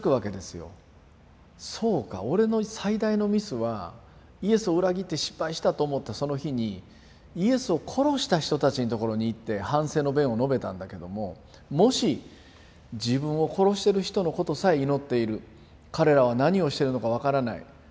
そうか俺の最大のミスはイエスを裏切って失敗したと思ったその日にイエスを殺した人たちのところに行って反省の弁を述べたんだけどももし自分を殺してる人のことさえ祈っている「彼らは何をしてるのかわからない。